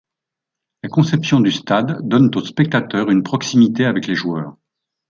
La conception du stade donne aux spectateurs une proximité avec les joueurs.